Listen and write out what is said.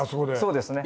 そうですね。